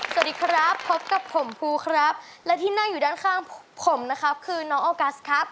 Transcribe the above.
สวัสดีครับพบกับผมภูครับและที่นั่งอยู่ด้านข้างผมนะครับคือน้องออกัสครับ